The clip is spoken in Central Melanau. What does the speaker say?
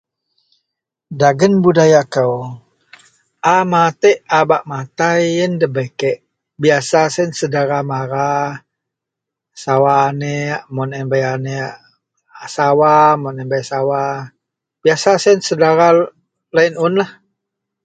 Dagen budaya kou a matek a bak matai iyen debei kek biyasa siyen saudara mara sawa anek mun a yen bei anek sawa mun bei sawa biyasa siyen saudara loyen un